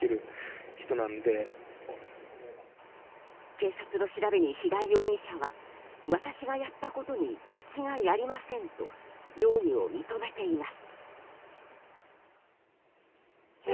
警察の調べに肥田容疑者は私がやったことに間違いありませんと容疑を認めています。